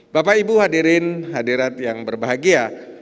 bapak ibu hadirin hadirat yang berbahagia